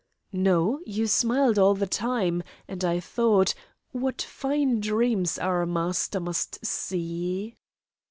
"No, you smiled all the time, and I thought what fine dreams our Master must see!"